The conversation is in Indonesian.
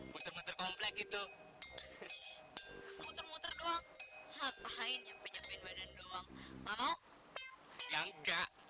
kita jalan jalan komplek itu muter muter doang ngapain nyampe nyampe badan doang mau yang gak